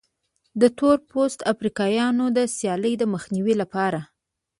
د تور پوستو افریقایانو د سیالۍ د مخنیوي لپاره.